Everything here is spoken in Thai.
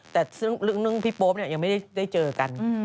แต่เรื่องพี่โป๊ปยังไม่ได้เจอกัน